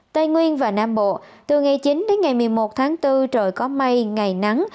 tây nguyên và nam bộ từ ngày chín đến ngày một mươi một tháng bốn trời có mây ngày nắng